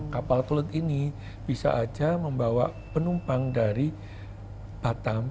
kapal tulut ini bisa aja membawa penumpang dari batam